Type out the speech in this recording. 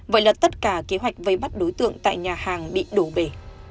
vậy là tất cả kế hoạch vây bắt đối tượng tại nhà hàng bị đổ bể